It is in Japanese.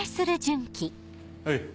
はい。